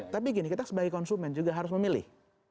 tapi gini kita sebagai konsumen juga harus memilih